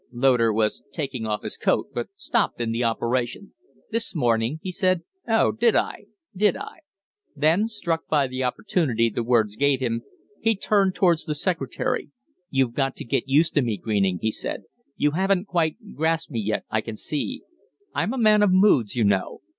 Loder was taking off his coat, but stopped in the operation. "This morning?" he said. "Oh, did I? Did I?" Then, struck by the opportunity the words gave him, he turned towards the secretary. "You've got to get used to me, Greening," he said. "You haven't quite grasped me yet, I can see. I'm a man of moods, you know.